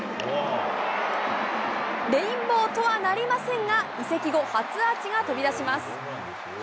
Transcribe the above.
レインボーとはなりませんが、移籍後、初アーチが飛び出します。